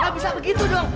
gak bisa begitu dong